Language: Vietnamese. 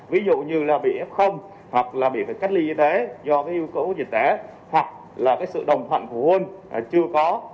ví dụ như là bị ép không hoặc là bị phải cách ly do yếu tố dịch tễ hoặc là sự đồng thoại phụ huynh chưa có